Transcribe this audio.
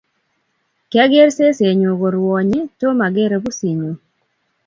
Kyageer sesenyu korwonyi, Tomo agere pusinyu